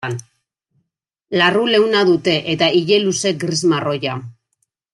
Larru leuna dute eta ile luze gris-marroia.